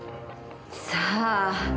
さあ。